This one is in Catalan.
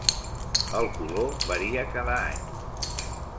El color varia cada any.